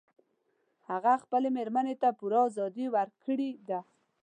هغه خپلې میرمن ته پوره ازادي ورکړي ده